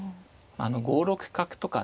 ５六角とかね